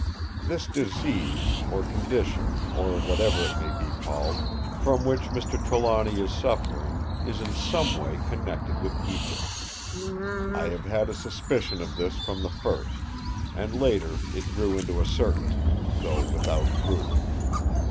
This disease, or condition, or whatever it may be called, from which Mr. Trelawny is suffering, is in some way connected with Egypt. I have had a suspicion of this from the first; and later it grew into a certainty, though without proof.